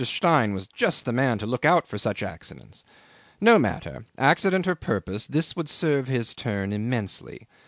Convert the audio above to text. Stein was just the man to look out for such accidents. No matter. Accident or purpose, this would serve his turn immensely.